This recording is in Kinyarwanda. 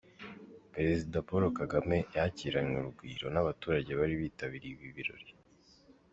Perezida Paul Kagame yakiranywe urugwiro n’abaturage bari bitabiriye ibi birori.